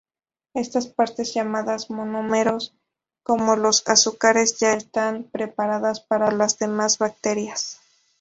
Estas partes, llamadas monómeros, como los azúcares ya están preparadas para las demás bacterias.